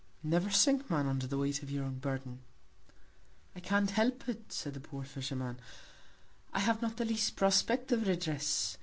Never sink Man, under the Weight of your Burden. I can't help it, said the poor Fisherman; I have not the least Prospect of Redress.